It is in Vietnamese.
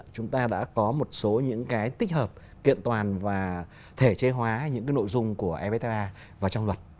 chúng ta đã có một số những tích hợp kiện toàn và thể chế hóa những nội dung của evfta vào trong luật